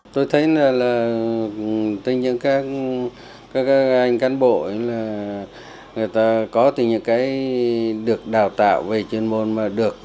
tôi thấy là các anh cán bộ người ta có từ những cái được đào tạo về chuyên môn